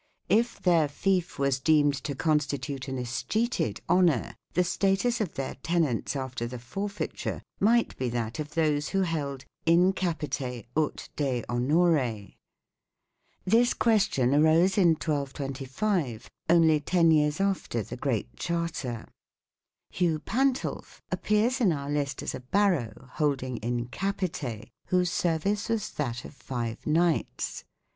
If their fief was deemed to constitute an escheated Honour, the status of their tenants after the forfeit ure might be that of those who held " in capite ut de Honore". This question arose in 1225, only ten years after the Great Charter. Hugh Pantulf appears in our list as a " baro " holding "in capite," whose service was that of five knights.